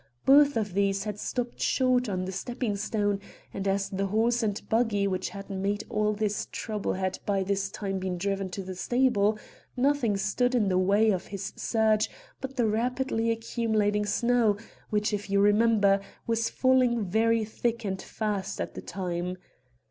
Both of these had stopped short of the stepping stone, and as the horse and buggy which had made all this trouble had by this time been driven to the stable, nothing stood in the way of his search but the rapidly accumulating snow which, if you remember, was falling very thick and fast at the time.